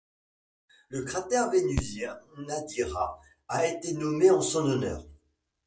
Le cratère vénusien Nadira a été nommé en son honneur.